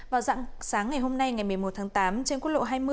vào dặn sáng ngày hôm nay ngày một mươi một tháng tám trên quốc lộ hai mươi